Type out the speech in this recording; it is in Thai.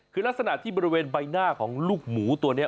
คือลักษณะที่บริเวณใบหน้าของลูกหมูตัวนี้